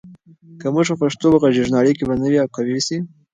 که موږ په پښتو وغږیږو، نو اړیکې به نوي او قوي سي.